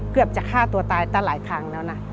เกือบจะฆ่าตัวตายตั้งหลายครั้งแล้วนะ